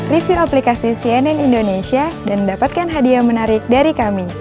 review aplikasi cnn indonesia dan mendapatkan hadiah menarik dari kami